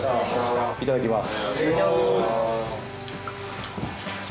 いただきます。